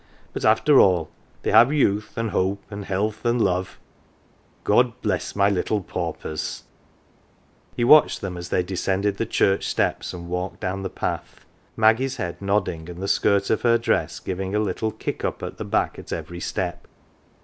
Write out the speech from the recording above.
But, after all, they have youth, and hope, and health, and love God bless my little paupers !" He watched them as they descended the church steps and walked down the path ; Maggie's head nodding, and the skirt of her dress giving a little kick up at the back at every step.